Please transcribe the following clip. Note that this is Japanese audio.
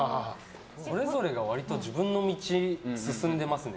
それぞれが割と自分の道を進んでますね。